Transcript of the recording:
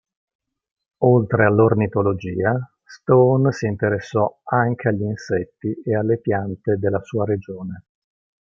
Oltre all'ornitologia, Stone si interessò anche agli insetti e alle piante della sua regione.